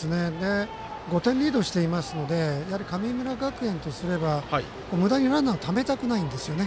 ５点リードしていますので神村学園とすればむだにランナーをためたくないんですよね。